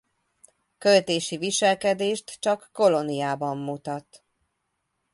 Költési viselkedést csak kolóniában mutat.